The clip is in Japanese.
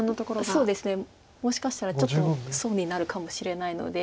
そうですねもしかしたらちょっと損になるかもしれないので。